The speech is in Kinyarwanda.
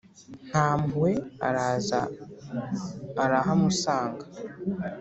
ntampuhwe araza arahamusanga;